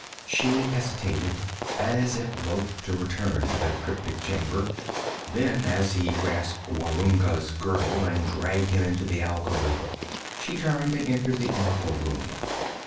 She hesitated, as if loth to return to that cryptic chamber; then, as he grasped Gwarunga's girdle and dragged him into the alcove, she turned and entered the oracle room.